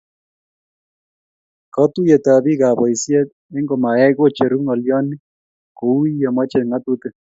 Katuyekab biik ab boisie eng komayay kocheru ng'olion ko uu yemoche ngatutik.